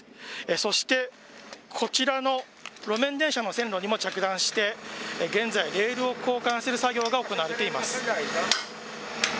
そして、こちらの路面電車の線路にも着弾して現在、レールを交換する作業が行われています。